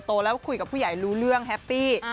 แล้วคุยกับผู้ใหญ่รู้เรื่องแฮปปี้